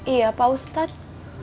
iya pak ustadz